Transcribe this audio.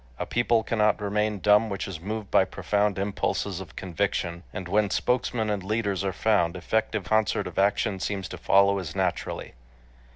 A people cannot remain dumb which is moved by profound impulses of conviction; and when spokesmen and leaders are found, effective concert of action seems to follow as naturally.